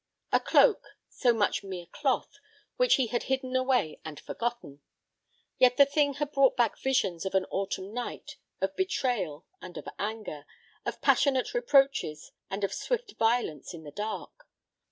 A cloak, so much mere cloth, which he had hidden away and forgotten! Yet the thing had brought back visions of an autumn night, of betrayal and of anger, of passionate reproaches and of swift violence in the dark.